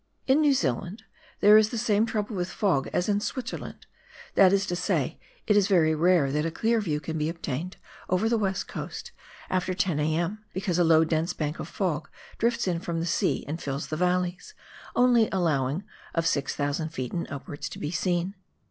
In New Zealand there is the same trouble with fog as in Switzerland, that is to say, it is very rare that a clear view can be obtained over the west coast after 10 a.m. because a low dense bank of fog drifts in from the sea and fills the valleys, only allowing of 6,000 ft. and upwards to be seen.